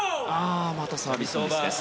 またサービスのミスです。